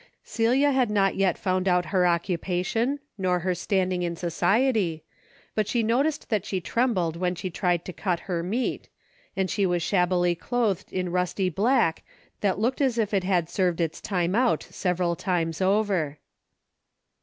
Celia had not yet found out her occupation nor her standing in society, but she noticed that she trembled when she tried to cut her meat, and she was shabbily DAILY BATE:'> 13 clothed in rusty black that looked as if it had served its time out several times over.